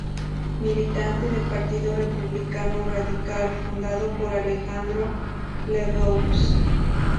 Militante de Partido Republicano Radical fundado por Alejandro Lerroux.